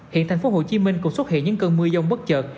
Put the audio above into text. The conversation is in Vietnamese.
hiện thành phố hồ chí minh cũng xuất hiện những cơn mưa dông bất chợt